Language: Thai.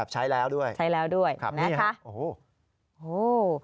ใช้แล้วด้วยค่ะนี่ฮะโอ้โห